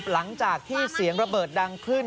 หลังจากที่เสียงระเบิดดังขึ้น